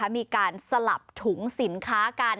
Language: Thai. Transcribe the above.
มีการสลับถุงสินค้ากัน